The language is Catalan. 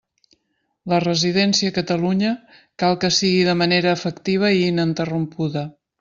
La residència a Catalunya cal que sigui de manera efectiva i ininterrompuda.